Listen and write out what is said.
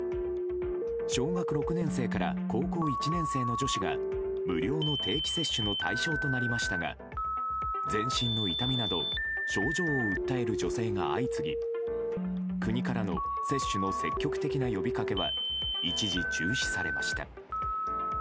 小学６年生から高校１年生の女子が無料の定期接種の対象となりましたが全身の痛みなど症状を訴える女性が相次ぎ国からの接種の積極的な呼びかけは一時、中止されました。